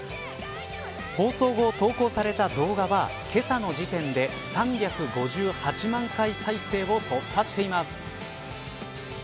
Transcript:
放送後、投稿された動画はけさの時点で３５８万回再生を突破しています。